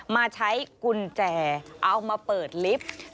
มาใช้กุญแจเอามาเปิดลิฟต์